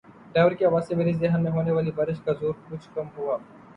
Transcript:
driver کی آواز سے میرے ذہن میں ہونے والی بار ش کا زور کچھ کم ہوا